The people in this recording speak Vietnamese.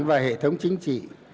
và hệ thống chính trị